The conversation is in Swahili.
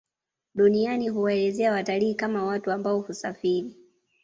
Duniani huwaelezea watalii kama watu ambao husafiri